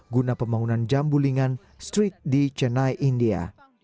guna pembangunan jambu lingan street di chennai india